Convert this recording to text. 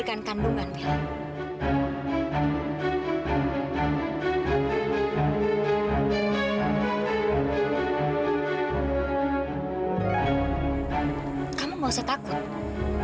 sampai jumpa di video selanjutnya